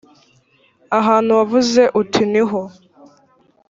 ahantu wavuzeho uti ni ho